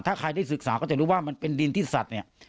ถ้าใครได้ศึกษาก็จะรู้ว่ามันเป็นดินที่สัตว์เนี่ย